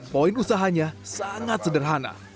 poin usahanya sangat sederhana